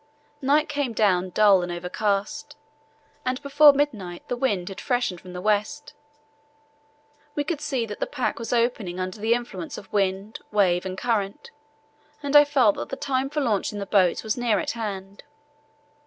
Night came down dull and overcast, and before midnight the wind had freshened from the west. We could see that the pack was opening under the influence of wind, wave, and current, and I felt that the time for launching the boats was near at hand.